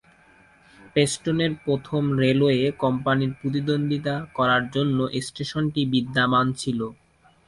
প্রেস্টনের প্রথম রেলওয়ে কোম্পানির মধ্যে প্রতিদ্বন্দ্বিতা করার জন্য স্টেশনটি বিদ্যমান ছিল।